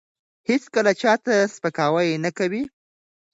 هیڅکله چا ته سپکاوی نه کوي.